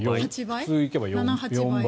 普通に行けば４倍？